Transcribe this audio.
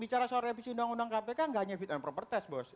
bicara soal revisi undang undang kpk nggak hanya fit and proper test bos